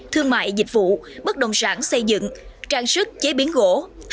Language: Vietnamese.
thương mại dịch vụ bất đồng sản xây dựng trang sức chế biến gỗ